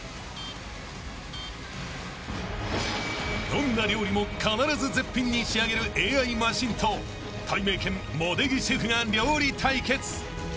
［どんな料理も必ず絶品に仕上げるＡＩマシンとたいめいけん茂出木シェフが料理対決］